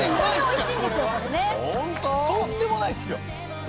とんでもないっすよ。